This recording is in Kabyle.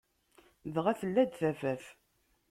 Dɣa tella-d tafat.